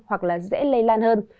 hoặc dễ lây lan hơn